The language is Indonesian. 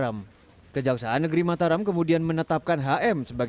tim kejaksaan negeri mataram menangkap seorang kontraktor